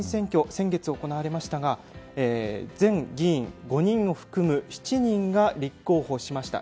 先月行われましたが前議員５人を含む７人が立候補しました。